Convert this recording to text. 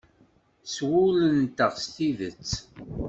S wul-nteɣ s tidet.